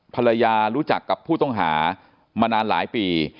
ภรรยารู้จักกับผู้ต้องหามานานหลายปี